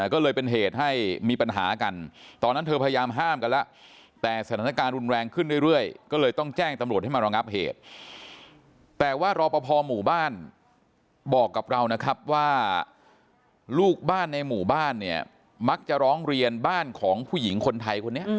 ก็เลยต้องแจ้งตำรวจให้มารองับเหตุ